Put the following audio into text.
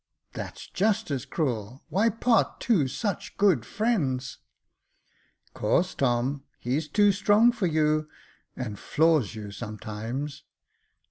" That's just as cruel ; why part two such good friends ?"" 'Cause, Tom, he's too strong for you, and floors you sometimes."